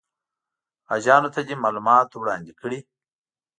حاجیانو ته دې معلومات وړاندې کړي.